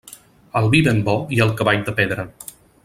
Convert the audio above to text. El vi ben bo i el cavall de pedra.